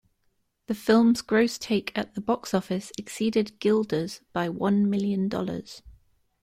The film's gross take at the box office exceeded "Gilda"'s by one million dollars.